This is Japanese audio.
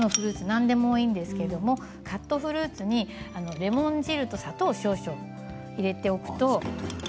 何でもいいんですけれどカットフルーツにレモン汁と砂糖少々入れておくと。